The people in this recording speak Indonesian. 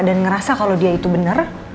dan ngerasa kalau dia itu bener